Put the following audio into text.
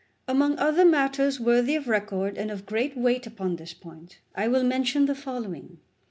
Among other matters worthy of record and of great weight upon this point, I will mention the following.